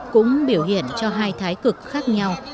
cũng biểu hiện cho hai thái cực khác nhau